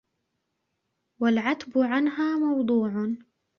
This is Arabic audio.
وَالْعَتْبُ عَنْهَا مَوْضُوعٌ